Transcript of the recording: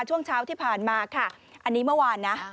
ช่วงเช้าที่ผ่านมาค่ะอันนี้เมื่อวานนะ